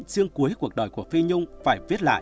riêng cuối cuộc đời của phi nhung phải viết lại